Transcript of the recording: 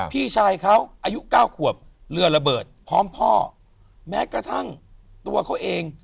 พี่ชายเขาอายุเก้าขวบเรือระเบิดพร้อมพ่อแม้กระทั่งตัวเขาเอง